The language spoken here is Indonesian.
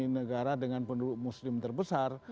negara dengan penduduk muslim terbesar